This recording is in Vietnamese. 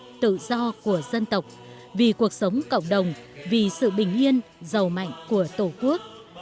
đồng hành độc lập tự do của dân tộc vì cuộc sống cộng đồng vì sự bình yên giàu mạnh của tổ quốc